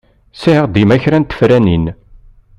Sɛiɣ dima kra n tefranin.